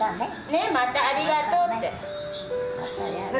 ねまたありがとうって。